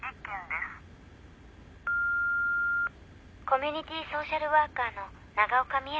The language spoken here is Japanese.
「コミュニティーソーシャルワーカーの長岡雅です」